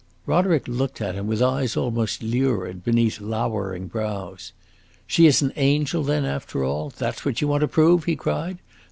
Roderick looked at him with eyes almost lurid, beneath lowering brows. "She is an angel, then, after all? that 's what you want to prove!" he cried.